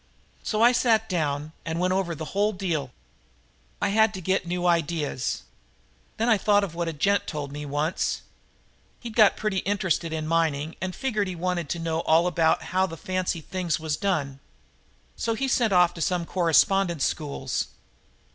So I sat down and went over the whole deal. "I had to get new ideas. Then I thought of what a gent had told me once. He'd got pretty interested in mining and figured he wanted to know all about how the fancy things was done. So he sent off to some correspondence schools.